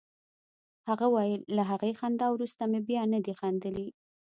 هغه ویل له هغې خندا وروسته مې بیا نه دي خندلي